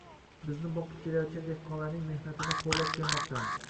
bizni boqib kelayotgan dehqonlarning mehnatini xo‘rlab kelmoqdamiz.